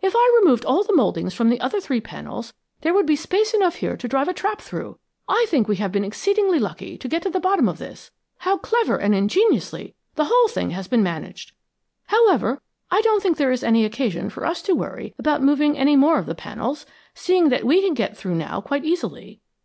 "If I removed all the mouldings from the other three panels there would be space enough here to drive a trap through. I think we have been exceedingly lucky to get to the bottom of this. How clever and ingeniously the whole thing has been managed! However, I don't think there is any occasion for us to worry about moving any more of the panels, seeing that we can get through now quite easily.